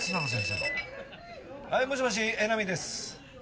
はいもしもし江波です。